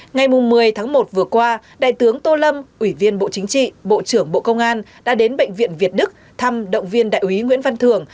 ngày một mươi tháng một vừa qua đại tướng tô lâm ủy viên bộ chính trị bộ trưởng bộ công an đã đến bệnh viện việt đức thăm động viên đại úy nguyễn văn thường